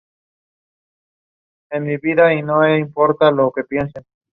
El auge y caída de la Sociedad de Camisas Azules fue rápido, aunque oscuro.